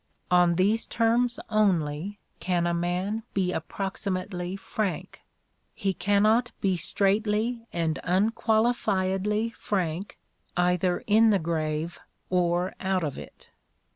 '' On these terms only can a man be ap proximately frank. He cannot be straightly and un qualifiedly frank either in the grave or out of it."